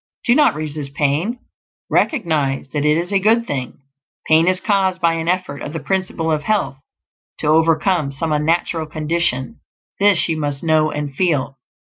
Do not resist pain; recognize that it is a good thing. Pain is caused by an effort of the Principle of Health to overcome some unnatural condition; this you must know and feel.